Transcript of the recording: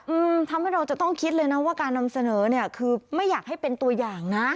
อืมทำให้เราจะต้องคิดเลยนะว่าการนำเสนอเนี่ยคือไม่อยากให้เป็นตัวอย่างนะ